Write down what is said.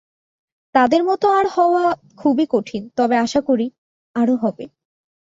তাঁদের মত আর হওয়া খুবই কঠিন, তবে আশা করি, আরও হবে।